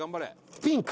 ピンク！」